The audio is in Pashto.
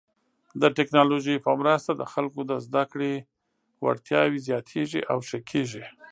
د ټکنالوژۍ په مرسته د خلکو د زده کړې وړتیاوې زیاتېږي او ښه کیږي.